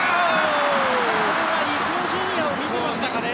これは伊東純也を見ていましたかね。